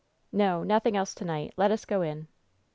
"No ; nothing else to night. Let us go in."